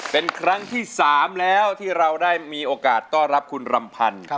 เป็นครั้งที่๓แล้วที่เราได้มีโอกาสต้อนรับคุณรำพันธ์